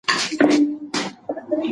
مورخ باید د حقایقو امانت وساتي.